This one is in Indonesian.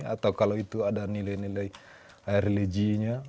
atau kalau itu ada nilai nilai religinya